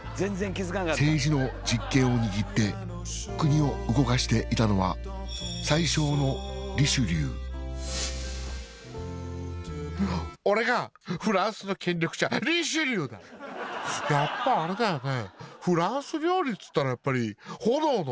政治の実権を握って国を動かしていたのは宰相のリシュリュー「やっぱあれだよね」